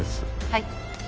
はい。